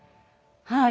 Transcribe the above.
はい。